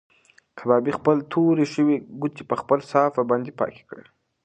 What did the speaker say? کبابي خپلې تورې شوې ګوتې په خپله صافه باندې پاکې کړې.